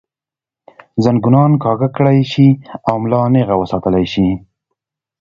زنګونان کاږۀ کړے شي او ملا نېغه وساتلے شي